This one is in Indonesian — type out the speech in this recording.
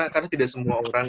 karena tidak semua orang